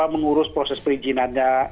mengurus proses perizinannya